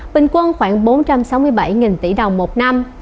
bình quân khoảng bốn trăm sáu mươi bảy tỷ đồng một năm